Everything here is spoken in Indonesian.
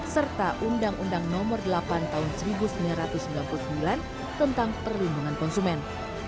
serta undang undang nomor delapan tahun seribu sembilan ratus sembilan puluh sembilan tentang perlindungan konsumen